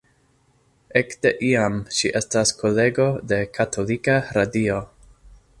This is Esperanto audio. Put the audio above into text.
Ekde iam ŝi estas kolego de katolika radio.